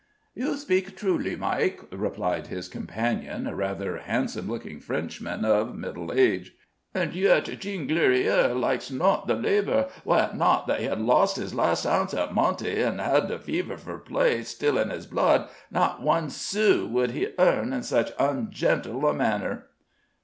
"You speak truly, Mike," replied his companion, a rather handsome looking Frenchman, of middle age. "And yet Jean Glorieaux likes not the labor. Were it not that he had lost his last ounce at monte, and had the fever for play still in his blood, not one sou would he earn in such ungentle a manner."